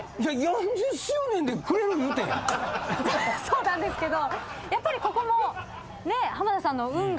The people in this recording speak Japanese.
そうなんですけどやっぱりここも。